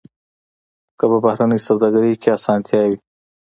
که په بهرنۍ سوداګرۍ کې اسانتیا وي.